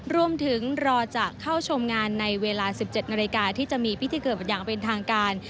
รอจะเข้าชมงานในเวลา๑๗นาฬิกาที่จะมีพิธีเกิดอย่างเป็นทางการ